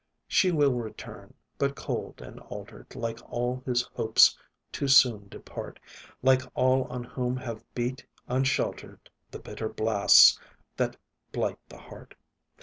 She will return, but cold and altered, Like all whose hopes too soon depart; Like all on whom have beat, unsheltered, The bitter blasts that blight the heart.